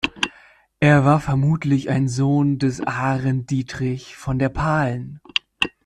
Er war vermutlich ein Sohn des Arend Diedrich von der Pahlen.